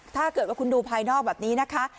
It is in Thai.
ถ้าเกิดว่าคุณดูภายนอกแบบนี้นะคะ